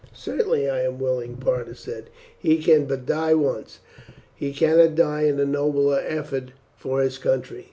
"Certainly I am willing," Parta said. "He can but die once; he cannot die in a nobler effort for his country."